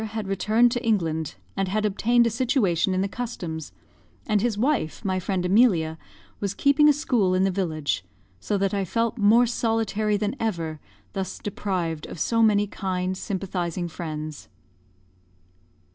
had returned to England, and had obtained a situation in the Customs; and his wife, my friend Emilia, was keeping a school in the village; so that I felt more solitary than ever, thus deprived of so many kind, sympathising friends.